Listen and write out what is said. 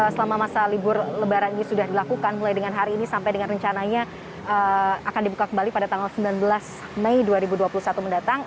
selama masa libur lebaran ini sudah dilakukan mulai dengan hari ini sampai dengan rencananya akan dibuka kembali pada tanggal sembilan belas mei dua ribu dua puluh satu mendatang